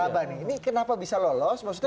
kenapa bisa lolos maksudnya kenapa bisa ada berlaku